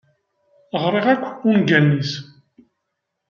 Ɣriɣ akk ungalen-is.